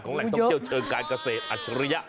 แหล่งท่องเที่ยวเชิงการเกษตรอัจฉริยะ